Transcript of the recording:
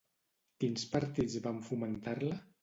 Quins partits van fomentar-la?